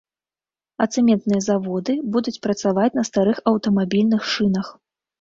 А цэментныя заводы будуць працаваць на старых аўтамабільных шынах.